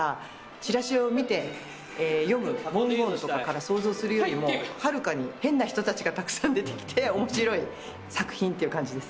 チラシを見て、読むあらすじから想像するよりも、はるかに変な人たちがたくさん出てきて、おもしろい作品っていう感じです。